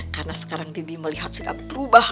karena sekarang bibi melihat sudah berubah